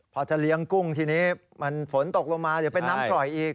พอจะเลี้ยงกุ้งทีนี้มันฝนตกลงมาเดี๋ยวเป็นน้ำกร่อยอีก